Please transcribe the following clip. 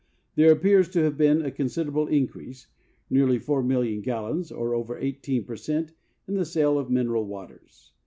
There appears to have been a considerable increase (nearly 4,000,000 gallons, or over 18 per cent) in the sale of mineral waters.